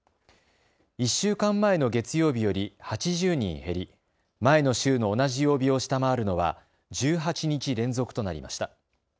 １週間前の月曜日より８０人減り前の週の同じ曜日を下回るのは１８日連続となりました。